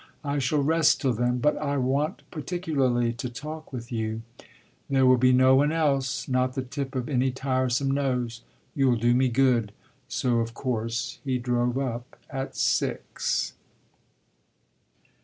I shall rest till then, but I want particularly to talk with you. There will be no one else not the tip of any tiresome nose. You'll do me good." So of course he drove up at six.